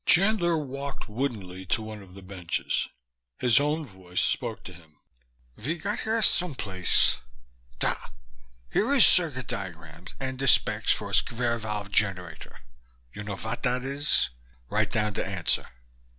Chandler walked woodenly to one of the benches. His own voice spoke to him. "Ve got here someplace da, here is cirguit diagrams and de specs for a sqvare vave generator. You know vot dat is? Write down de answer."